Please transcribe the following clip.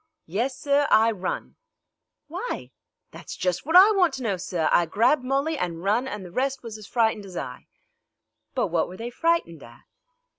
"Yes, sir; I run." "Why?" "That's just what I want to know, sir. I grabbed Molly an' run, an' the rest was as frightened as I." "But what were they frightened at?"